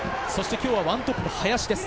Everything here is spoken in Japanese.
今日は１トップ、林です。